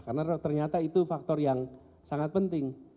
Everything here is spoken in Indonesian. karena ternyata itu faktor yang sangat penting